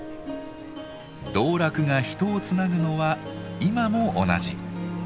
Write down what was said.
道楽が人をつなぐのは今も同じ。